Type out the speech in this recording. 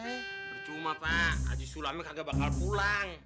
bercuma pak haji sulami kagak bakal pulang